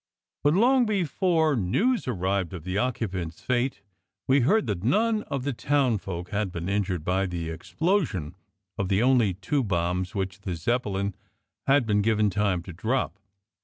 But long before news arrived of the occupants fate we heard that none of the townsfolk had been injured by the explosion of the only two bombs which the Zeppelin had been given time to drop.